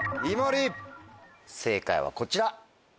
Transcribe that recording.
正解はこちら。